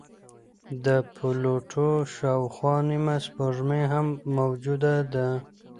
د پلوټو شاوخوا نیمه سپوږمۍ هم موجوده ده.